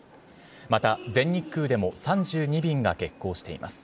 また全日空でも３２便が欠航しています。